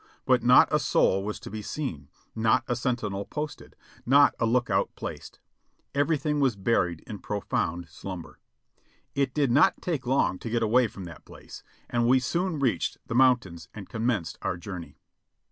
But not a soul was to be seen ; not a sentinel posted; not a lookout placed. Everything was buried in profound slumber. It did not take long to get away from that place, and we soon reached the mountains and commenced our journey.